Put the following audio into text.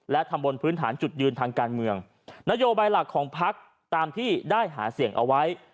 และทำบนพื้นฐานจุดยืนทางการเมืองนโยบายหลักของพักตามที่ได้หาเสียงเอาไว้